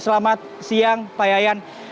selamat siang pak yayan